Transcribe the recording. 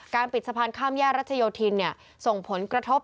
ปิดสะพานข้ามแยกรัชโยธินส่งผลกระทบ